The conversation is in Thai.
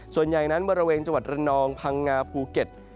ส่วนใหญ่นั้นบริเวณจังหวัดระนองพังงาภูเก็ต